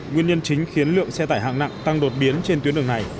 nguyên nhân chính khiến lượng xe tải hạng nặng tăng đột biến trên tuyến đường này